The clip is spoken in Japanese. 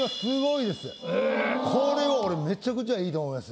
これは俺めちゃくちゃいいと思います。